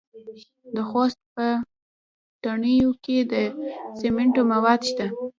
د خوست په تڼیو کې د سمنټو مواد شته.